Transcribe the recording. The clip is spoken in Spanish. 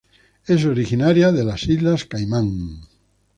Es originaria de Islas Caimán.